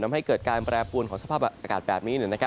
ทำให้เกิดการแปรปวนของสภาพอากาศแบบนี้